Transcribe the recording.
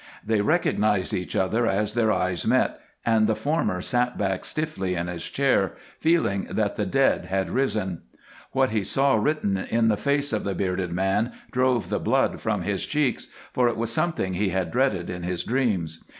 They recognized each other as their eyes met, and the former sat back stiffly in his chair, feeling that the dead had risen. What he saw written in the face of the bearded man drove the blood from his cheeks, for it was something he had dreaded in his dreams.